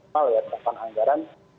untuk perusahaan anggaran